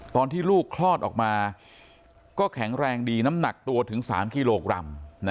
ตอนที่ลูกคลอดออกมาก็แข็งแรงดีน้ำหนักตัวถึง๓กิโลกรัม